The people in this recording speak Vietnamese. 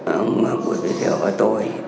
ông quỳnh tiểu và tôi